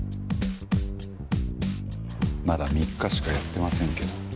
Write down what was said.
まだ３日しかやってませんけど。